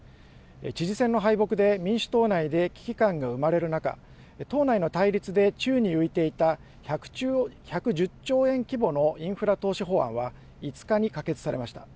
知事選の敗北で、民主党内で危機感が生まれる中、党内の対立で宙に浮いていた１１０兆円規模のインフラ投資法案は５日に可決されました。